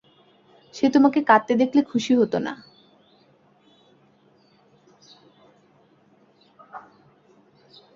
সে তোমাকে কাঁদতে দেখলে খুশি হত না।